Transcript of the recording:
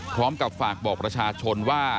พร้อมกับฝากบอกประชาชนว่า